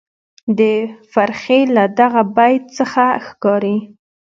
د فرخي له دغه بیت څخه ښکاري،